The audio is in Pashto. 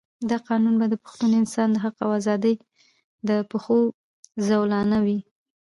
دا قانون به د پښتون انسان د حق او آزادۍ د پښو زولانه وي.